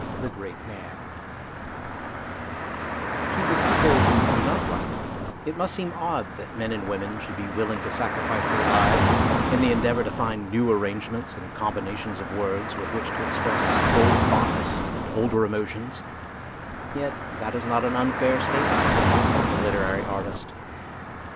THE GREAT MAN To the people who do not write it must seem odd that men and women should be willing to sacrifice their lives in the endeavour to find new arrangements and combinations of words with which to express old thoughts and older emotions, yet that is not an unfair statement of the task of the literary artist.